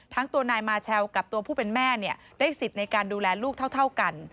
ทั้งตัวนายมาเชลกับตัวผู้เป็นแม่ได้สิทธิ์ในการดูแลลูกเท่ากัน